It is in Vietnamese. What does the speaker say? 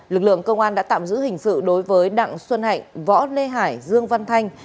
lực lượng công an đã tạm giữ hình sự đối với đặng xuân hạnh võ lê hải dương văn thanh